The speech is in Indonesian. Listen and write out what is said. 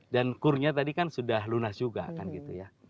dan kurnya tadi kan sudah lunas juga kan gitu ya